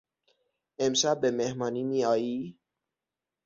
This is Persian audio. امشب به مهمانی میآیی؟